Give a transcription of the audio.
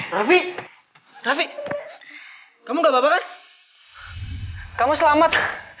raffi rafi kamu gak apa apa kan kamu selamat